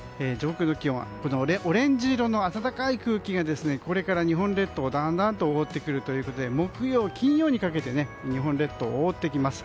オレンジ色の暖かい空気がこれから日本列島をだんだんと覆ってくるということで木曜、金曜にかけて日本列島を覆ってきます。